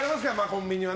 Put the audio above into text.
コンビニは。